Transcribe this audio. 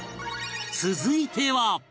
続いては